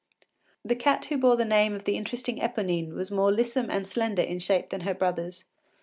The cat who bore the name of the interesting Eponine was more lissome and slender in shape than her brothers.